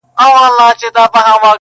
چي یې زړه شي په هغه اور کي سوځېږم٫